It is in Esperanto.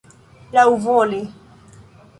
laŭvole